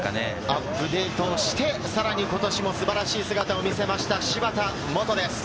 アップデートして、さらに今年も素晴らしい姿を見せました芝田モトです。